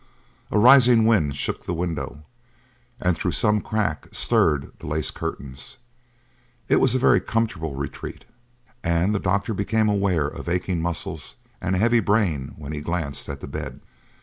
A rising wind shook the window and through some crack stirred the lace curtains; it was a very comfortable retreat, and the doctor became aware of aching muscles and a heavy brain when he glanced at the bed.